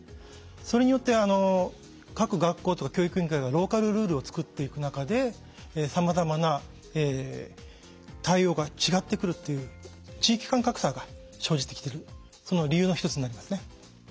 それによって各学校とか教育委員会がローカルルールを作っていく中でさまざまな対応が違ってくるっていう地域間格差が生じてきているその理由の一つになりますね。